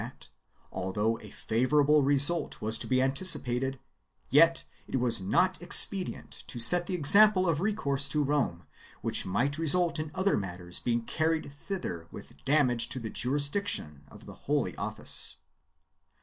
27 418 PRIVILEGES AND EXEMPTIONS [BOOK II although a favorable result was to be anticipated, yet it was not expedient to set the example of recourse to Rome which might result in other matters being carried thither with damage to the jurisdiction of the Holy Office.